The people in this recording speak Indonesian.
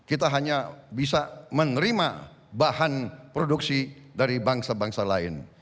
kita hanya bisa menerima bahan produksi dari bangsa bangsa lain